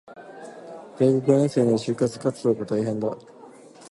大学四年生なり、就職活動が大変だ